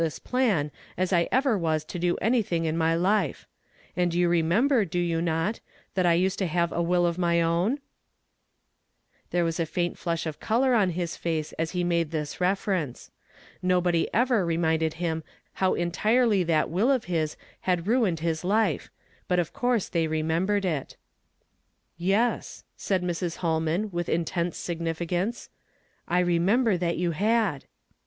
this plan as I ever was to do anytliiii^^ in my life; and you remember, do you not, that I used to have a will of my own ?" There was a faint flush of color on his face as he made this reference. Nohody ever icmiiided him how entirely that will of his had ruined liis life, but of coui se they remembered it. " Yes," said Mrs. Plolman Avith intense siouiii cance ;" I remember that you had."